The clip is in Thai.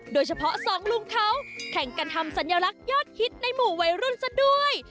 โดยเฉพาะสองลุงเขาแข่งกันทำสัญลักษณ์ยอดฮิตในหมู่วัยรุ่นซะด้วย